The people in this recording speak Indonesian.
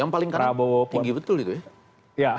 yang paling kanan tinggi betul itu ya